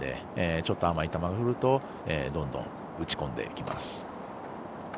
ちょっと甘い球がくるとどんどん打ちこんでいきます。